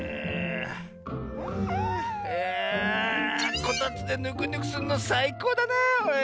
こたつでぬくぬくするのさいこうだなおい。